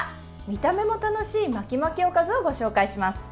見た目も楽しい巻き巻きおかずをご紹介します。